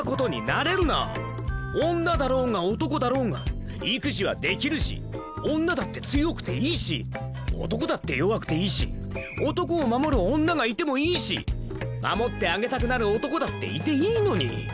女だろうが男だろうが育児はできるし女だって強くていいし男だって弱くていいし男を守る女がいてもいいし守ってあげたくなる男だっていていいのに！